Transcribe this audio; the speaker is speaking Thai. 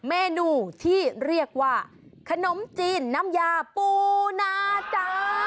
เมนูที่เรียกว่าขนมจีนน้ำยาปูนาจ้า